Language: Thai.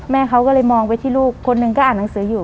เขาก็เลยมองไปที่ลูกคนหนึ่งก็อ่านหนังสืออยู่